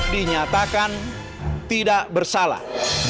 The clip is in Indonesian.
dinyatakan tidak bersalah